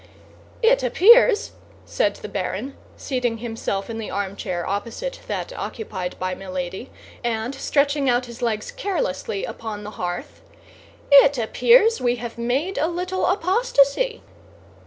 "It appears," said the baron, seating himself in the armchair opposite that occupied by Milady, and stretching out his legs carelessly upon the hearth, "it appears we have made a little apostasy!"